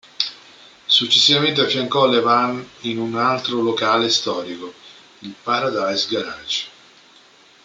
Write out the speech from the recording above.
Successivamente affiancò Levan in un altro locale storico: il Paradise Garage.